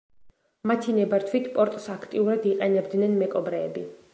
მათი ნებართვით პორტს აქტიურად იყენებდნენ მეკობრეები.